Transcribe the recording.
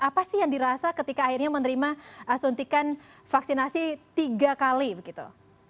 apa sih yang dirasa ketika akhirnya menerima suntikan vaksinasi tiga kali begitu